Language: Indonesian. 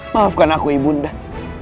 maafkan aku ibu undah